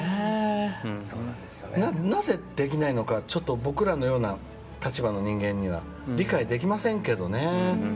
なぜできないのか僕らのような立場の人間には理解できませんけどね。